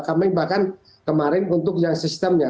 kami bahkan kemarin untuk yang sistemnya